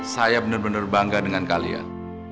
saya benar benar bangga dengan kalian